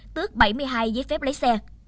tước bảy mươi hai giấy phép lấy xe